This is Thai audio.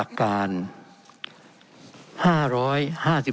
เป็นของสมาชิกสภาพภูมิแทนรัฐรนดร